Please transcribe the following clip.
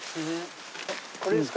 これですか？